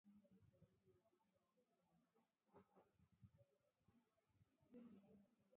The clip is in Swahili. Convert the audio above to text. Hadi mwaka elfu mbili kumi na tatu baada ya kuvunjika kwa mkataba wa amani na serikali ya Jamhuri ya Kidemokrasia ya Kongo